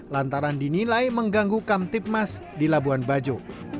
lantaran dinilai mengganggu kam tipmas di labuhan bajo